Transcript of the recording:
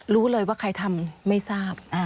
รู้เลยว่าใครทำไม่ทราบ